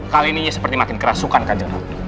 kali ini seperti makin kerasukan kanceng ratu